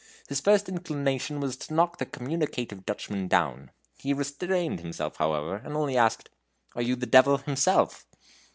His first inclination was to knock the communicative Dutchman down. He restrained himself, however, and only asked: "Are you the devil himself?"